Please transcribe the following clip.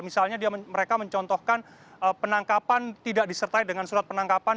misalnya mereka mencontohkan penangkapan tidak disertai dengan surat penangkapan